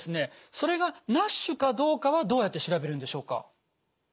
それがＮＡＳＨかどうかはどうやって調べるんでしょうか？